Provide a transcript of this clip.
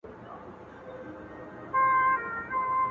په لټون د ښایستونو، آن له خدای سره تماس هم~